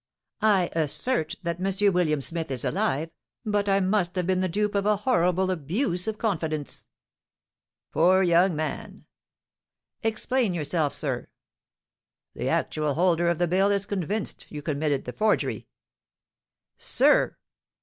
"I assert that M. William Smith is alive; but I must have been the dupe of a horrible abuse of confidence." "Poor young man!" "Explain yourself, sir." "The actual holder of the bill is convinced you committed the forgery." "Sir!"